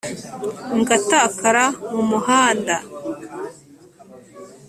ngatakara mu muhanda